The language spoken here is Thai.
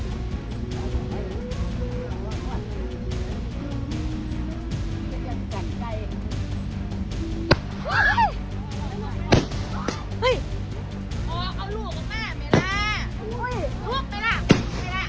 าทีวัฒน์โรงงานซึ่งเนวัสดิ์